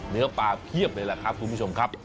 เนื้อปลาเพียบเลยแหละครับคุณผู้ชมครับ